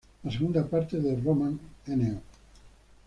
La segunda parte de "Roman No.